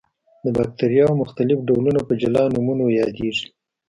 د باکتریاوو مختلف ډولونه په جلا نومونو یادیږي.